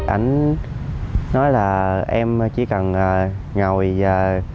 anh nói là em chỉ cần ngồi